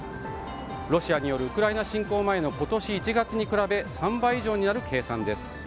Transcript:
ロシアによるウクライナ侵攻前の今年１月に比べ３倍以上になる計算です。